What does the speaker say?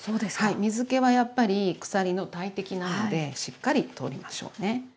水けはやっぱり腐りの大敵なのでしっかり取りましょうね。